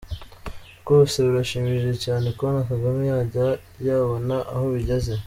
Rwose birashimishije cyane kubona Kagame yajya yabona aho bigeze!